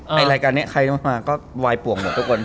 ไอ้รายการเนี่ยใครจะมาก็วายป่วงหมดทุกคน